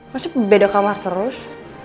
masa beda kamar terus